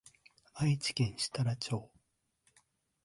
愛知県設楽町